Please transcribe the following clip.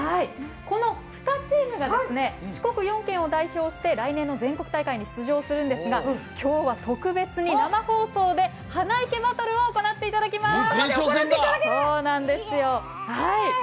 この２チームが四国４県を代表して来年の全国大会に出場するんですが今日は特別に生放送で花いけバトルを行っていただきます。